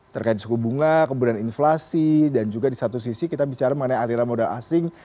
terkait suku bunga kemudian inflasi dan juga di satu sisi kita bicara mengenai aliran modal asing